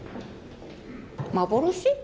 幻？